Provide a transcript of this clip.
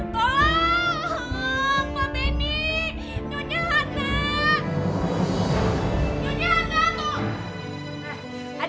tolong pak benny nyonya hantar nyonya hantar toh